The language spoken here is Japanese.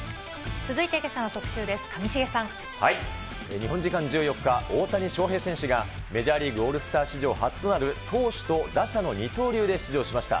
日本時間１４日、大谷翔平選手が、メジャーリーグオールスター史上初となる投手と打者の二刀流で出場しました。